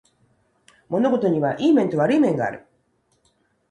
物事にはいい面と悪い面がある